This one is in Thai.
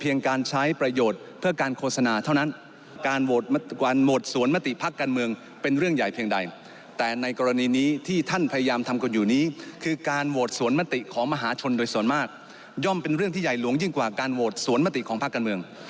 ย่อมเป็นเรื่องที่ใหญ่หลวงยิ่งกว่าการโหวดสวนมติของภาคการเมือง